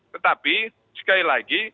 tetapi sekali lagi